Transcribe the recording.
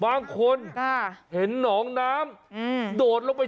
แบบนี้คือแบบนี้คือแบบนี้คือ